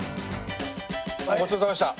ごちそうさまでした。